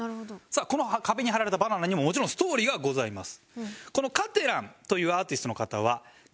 この壁に貼られたバナナにももちろんストーリーがございます。